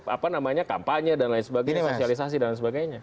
apa namanya kampanye dan lain sebagainya sosialisasi dan sebagainya